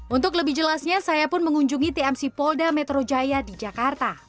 untuk lebih jelasnya saya pun mengunjungi tmc polda metro jaya di jakarta